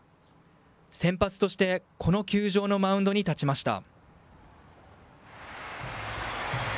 先発としてこの球場のマウンドに立ちました。